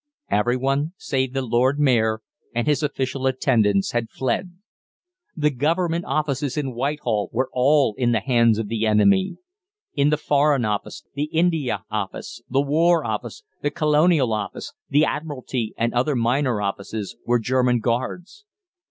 Every one save the Lord Mayor and his official attendants had fled. The Government Offices in Whitehall were all in the hands of the enemy. In the Foreign Office, the India Office, the War Office, the Colonial Office, the Admiralty, and other minor offices were German guards.